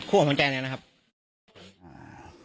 กลุ่มวัยรุ่นกลัวว่าจะไม่ได้รับความเป็นธรรมทางด้านคดีจะคืบหน้า